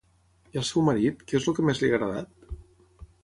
I al seu marit, què és el que més li ha agradat?